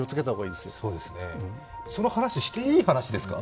そうですね、その話、していい話ですか？